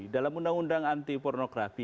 dalam undang undang anti pornografi